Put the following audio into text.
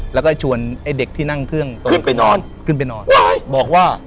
แล้วก็ชวนไอ้เด็กที่นั่งเครื่อง